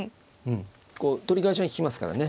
こう取り返しが利きますからね。